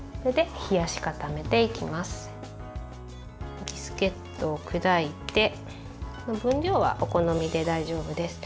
ビスケットを砕いて分量は、お好みで大丈夫です。